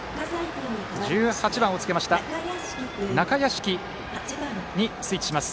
１８番をつけた中屋敷にスイッチします。